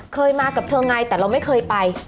เคยมากับเธอไงแต่เราไม่เคยไป